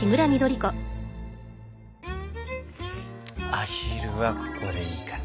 アヒルはここでいいかな。